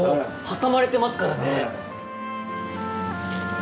挟まれてますからね。